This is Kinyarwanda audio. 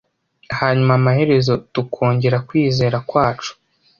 hanyuma amaherezo tukongera kwizera kwacu